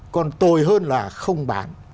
còn tồi hơn là không bán